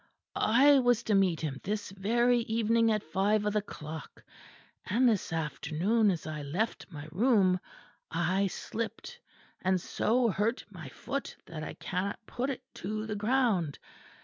I was to meet him this very evening at five of the clock; and this afternoon as I left my room, I slipped and so hurt my foot that I cannot put it to the ground.